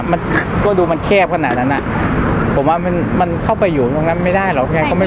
มันก็ดูมันแคบขนาดนั้นอ่ะผมว่ามันมันเข้าไปอยู่ตรงนั้นไม่ได้หรอกแค่